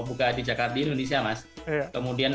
buka di jakarta di indonesia mas kemudian